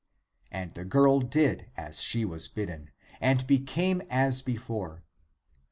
And the girl did as she was bidden, and became as before.